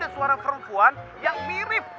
suara perempuan yang mirip